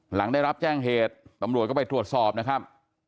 หลังได้รับแจ้งเหตุตำรวจก็ไปตรวจสอบนะครับ